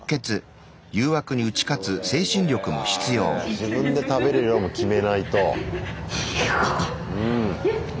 自分で食べる量も決めないと。